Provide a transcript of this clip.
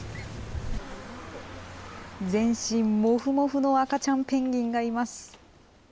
全身もふもふの赤ちゃんペンギンがいます。